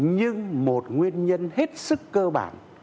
nhưng một nguyên nhân hết sức cơ bản